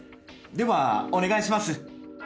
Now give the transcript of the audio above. ではお願いします。